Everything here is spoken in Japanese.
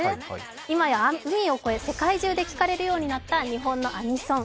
今や海を越え世界中で聴かれるようになった日本のアニソン。